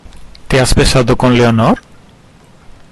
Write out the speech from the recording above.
¿ te has besado con Leonor?